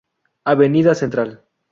Avenida Central